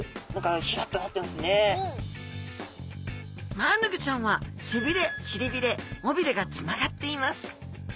マアナゴちゃんは背びれしりびれ尾びれがつながっています。